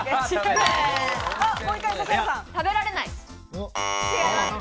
食べられない。